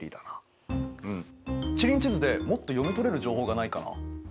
地理院地図でもっと読み取れる情報がないかな？